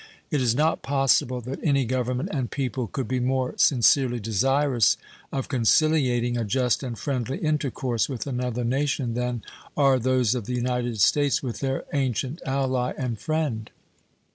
It is not possible that any Government and people could be more sincerely desirous of conciliating a just and friendly intercourse with another nation than are those of the United States with their ancient ally and friend.